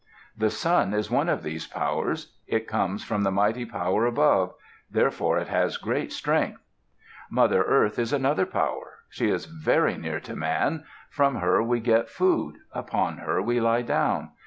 The Sun is one of these powers. It comes from the mighty power above; therefore it has great strength. Mother Earth is another power. She is very near to man. From her we get food; upon her we lie down.